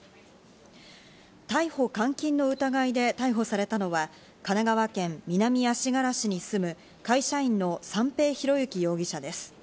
逮捕監禁の疑いで逮捕されたのは神奈川県南足柄市に住む、会社員の三瓶博幸容疑者です。